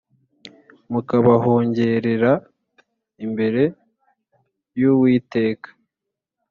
mukabahongererera imbere y Uwiteka